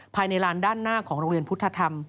ภายในลานด้านหน้าของโรงเรียนพุทธธรรม